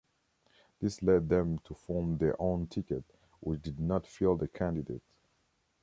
This led them to form their own ticket which did not field a candidate.